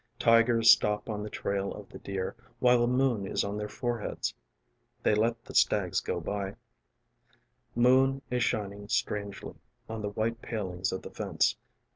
┬Ā┬ĀTigers stop on the trail of the deer ┬Ā┬Āwhile the moon is on their foreheadsŌĆö ┬Ā┬Āthey let the stags go by. Moon is shining strangely on the white palings of the fence.